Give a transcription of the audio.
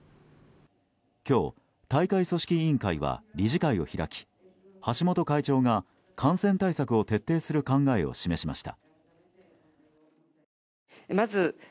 今日、大会組織委員会は理事会を開き橋本会長が感染対策を徹底する考えを示しました。